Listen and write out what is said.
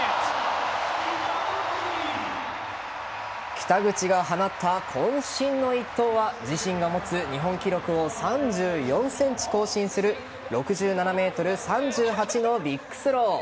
北口が放った渾身の一投は自身が持つ日本記録を３４ｃｍ更新する６７ｍ３８のビッグスロー。